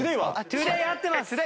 トゥデイ合ってます！